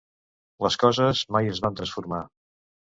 Les coses mai es van transformar.